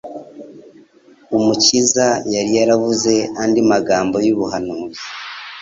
Umukiza yari yaravuze andi magambo y'ubuhanuzi